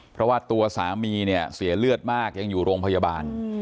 เพราะว่าตัวสามีเนี่ยเสียเลือดมากยังอยู่โรงพยาบาล